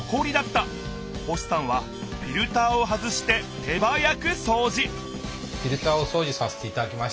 星さんはフィルターを外して手早くそうじ！